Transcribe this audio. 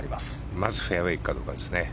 まずフェアウェーに行くかどうかですね。